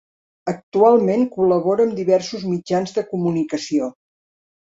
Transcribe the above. Actualment col·labora amb diversos mitjans de comunicació.